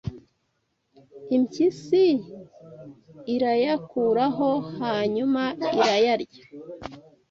Impyisi irayakuraho hanyuma irayarya